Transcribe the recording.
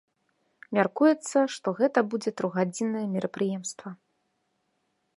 Мяркуецца, што гэта будзе трохгадзіннае мерапрыемства.